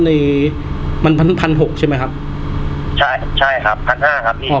ในมันพันหกใช่ไหมครับใช่ใช่ครับพันห้าครับนี่